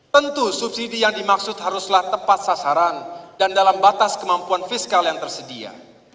tentu subsidi yang dimaksud haruslah tepat sasaran dan dalam batas kemampuan fiskal yang tersedia